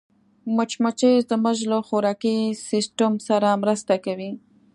مچمچۍ زموږ له خوراکي سیسټم سره مرسته کوي